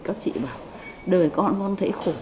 các chị bảo đời con con thấy khổ